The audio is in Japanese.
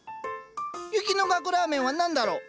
雪の萼ラーメンは何だろう？